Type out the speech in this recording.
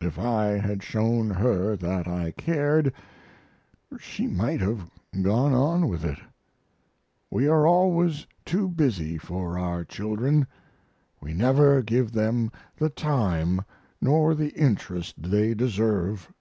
If I had shown her that I cared, she might have gone on with it. We are always too busy for our children; we never give them the time nor the interest they deserve.